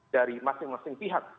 dari masing masing pihak